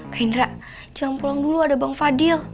kak indra jangan pulang dulu ada bang fadil